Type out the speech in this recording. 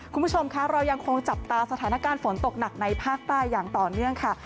คุณผู้ชมคะเรายังคงจับตาสถานการณ์ฝนตกหนักในภาคใต้อย่างต่อเนื่องค่ะ